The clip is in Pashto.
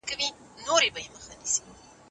د ټولو لپاره د سولې شرایط برابروي.